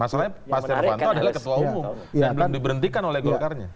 masalahnya pak setia novanto adalah ketua umum dan belum diberhentikan oleh golkarnya